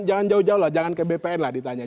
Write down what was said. jangan jauh jauh lah jangan ke bpn lah ditanya